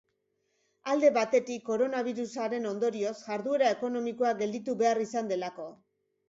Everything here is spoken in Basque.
Alde batetik, koronabirusaren ondorioz jarduera ekonomikoa gelditu behar izan delako.